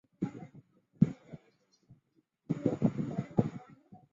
伊萨科夫也参与了诸如苏联大百科全书一类着作的编辑工作。